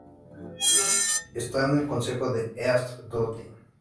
Está en el concejo de East Lothian.